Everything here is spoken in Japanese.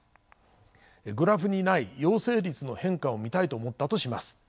グラフにない陽性率の変化を見たいと思ったとします。